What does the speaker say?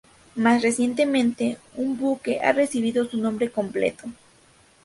Más recientemente, un buque, ha recibido su nombre completo.